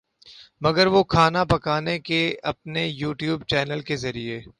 مگر وہ کھانا پکانے کے اپنے یو ٹیوب چینل کے ذریعے